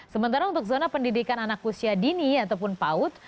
sementara untuk zona pendidikan anak usia dini ataupun paut